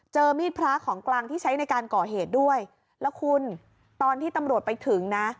มีดพระของกลางที่ใช้ในการก่อเหตุด้วยแล้วคุณตอนที่ตำรวจไปถึงนะ